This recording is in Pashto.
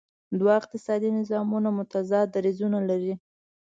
دوه اقتصادي نظامونه متضاد دریځونه لري.